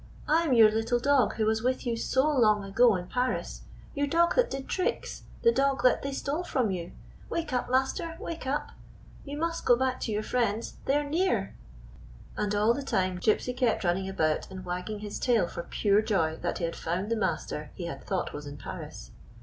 I am your little dog who was with you so long ago in Paris — your dog that did tricks, the dog that they stole from you ! Wake up, master Wake up ! You must go back to your friends. They are near !" And all the time Gypsy kept running about and wagging his tail for pure joy that he had found the master he had thought was in Paris.